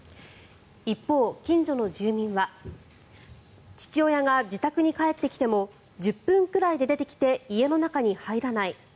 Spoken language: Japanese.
一方、近所の住民は父親が自宅に帰ってきても１０分くらいで出てきて家の中に入らない。